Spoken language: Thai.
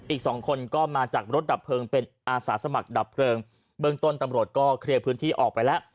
อีกสองคนก็มาจากรถดับเพลิงเป็นอาสาสมัครดับเพลิงเบื้องต้นตำรวจก็เคลียร์พื้นที่ออกไปแล้ว